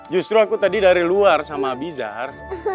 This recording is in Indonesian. justru aku tadi dari luar sama abizar